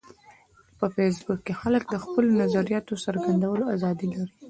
په فېسبوک کې خلک د خپلو نظریاتو د څرګندولو ازادي لري